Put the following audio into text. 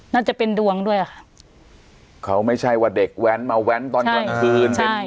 น่าจะเป็นดวงด้วยค่ะเขาไม่ใช่ว่าเด็กแว้นมาแว้นตอนกลางคืน